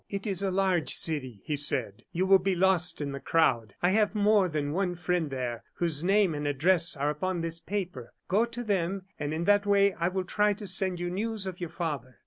"It is a large city," he said; "you will be lost in the crowd. I have more than one friend there, whose name and address are upon this paper. Go to them, and in that way I will try to send you news of your father."